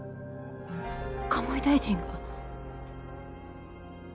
鴨井大臣が？